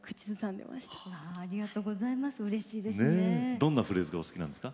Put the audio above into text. どんなフレーズがお好きなんですか？